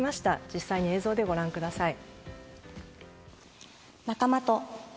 実際に映像でご覧ください。